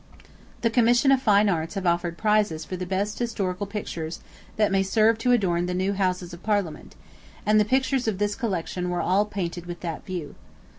The Commission of Fine Arts have offered prizes for the best historical pictures that may serve to adorn the new Houses of Parliament, and the pictures of this collection were all painted with that view.